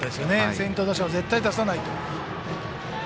先頭打者を絶対に出さないと。